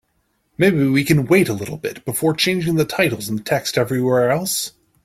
Maybe we can wait a little bit before changing the titles and the text everywhere else?